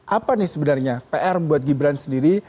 apa nih sebenarnya pr buat gibran sendiri